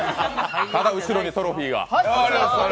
ただ、後ろにトロフィーが。